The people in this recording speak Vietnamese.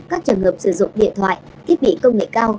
các trường hợp sử dụng điện thoại thiết bị công nghệ cao